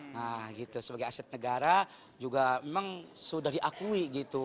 nah gitu sebagai aset negara juga memang sudah diakui gitu